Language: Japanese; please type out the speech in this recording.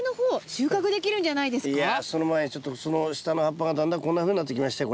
いやその前にちょっとその下の葉っぱがだんだんこんなふうになってきましたよ。